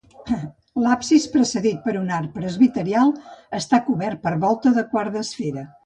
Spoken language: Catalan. L'absis, precedit per un arc presbiteral, està cobert per volta de quart d'esfera.